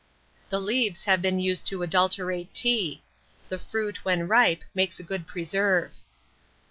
The leaves have been used to adulterate tea; the fruit, when ripe, makes a good preserve.